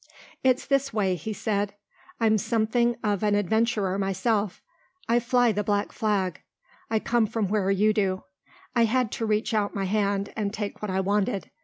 "It's this way," he said, "I'm something of an adventurer myself. I fly the black flag. I come from where you do. I had to reach out my hand and take what I wanted.